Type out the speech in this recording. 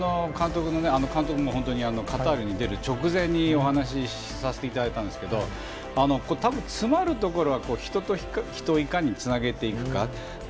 本当にカタールに出る直前お話させていただいたんですけどつまるところ人と人をいかにつなげていくか。